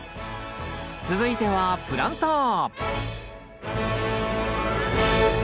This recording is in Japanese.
続いてはプランター！